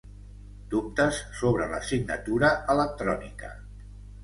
Dubtes sobre la signatura electrònica.